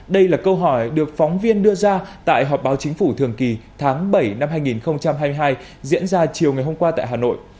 đây là câu hỏi được phóng viên đưa ra tại họp báo chính phủ thường kỳ tháng bảy năm hai nghìn hai mươi hai diễn ra chiều ngày hôm qua tại hà nội